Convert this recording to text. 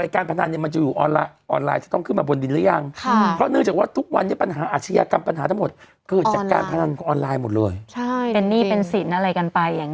แก๊งชวนเล่นการพนัน